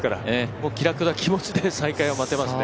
もう気楽な気持ちで再開を待てますね。